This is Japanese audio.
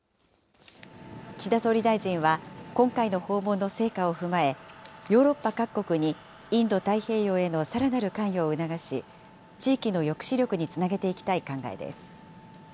岸田総理大臣は、今回の訪問の成果を踏まえ、ヨーロッパ各国にインド太平洋へのさらなる関与を促し、地域の抑止力につなげていきたい考えです。